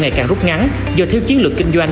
ngày càng rút ngắn do thiếu chiến lược kinh doanh